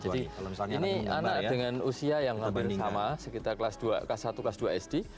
jadi ini anak dengan usia yang sama sekitar kelas satu kelas dua sd